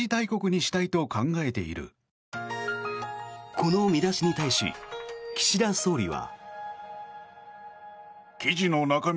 この見出しに対し岸田総理は。